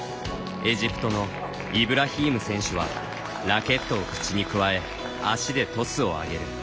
エジプトのイブラヒーム選手はラケットを口に加え足でトスを上げる。